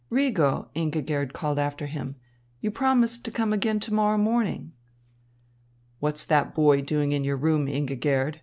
"Rigo!" Ingigerd called after him. "You promised to come again to morrow morning." "What's that boy doing in your room, Ingigerd?"